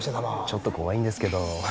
ちょっと怖いんですけど。